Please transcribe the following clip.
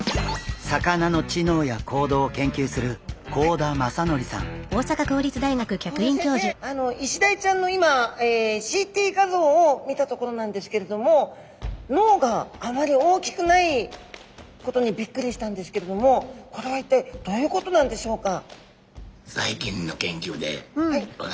魚の知能や行動を研究する幸田先生イシダイちゃんの今ＣＴ画像を見たところなんですけれども脳があまり大きくないことにビックリしたんですけれどもこれは一体どういうことなんでしょうか？